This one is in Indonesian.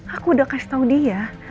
aku udah kasih tau dia